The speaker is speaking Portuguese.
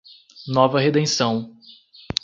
Nova Redenção